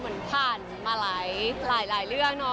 เหมือนผ่านมาหลายเรื่องนะ